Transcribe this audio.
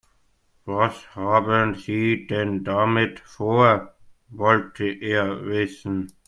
Was haben Sie denn damit vor?, wollte er wissen.